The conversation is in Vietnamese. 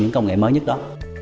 những công nghệ mới nhất đó